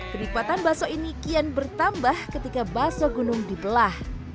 kenikmatan baso ini kian bertambah ketika baso gunung dibelah